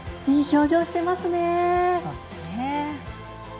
いい表情してますね。